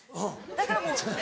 だからもう。